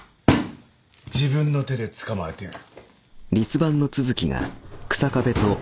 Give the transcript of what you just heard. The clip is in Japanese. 自分の手で捕まえてやる。